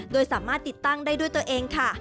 โดยสามารถติดตั้งได้ด้วยตัวเองค่ะ